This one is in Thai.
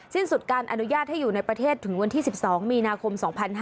สิ้นสุดการอนุญาตให้อยู่ในประเทศถึงวันที่๑๒มีนาคม๒๕๕๙